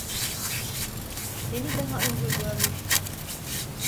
Seni daha önce görmüştüm.